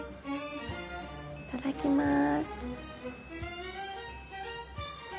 いただきます。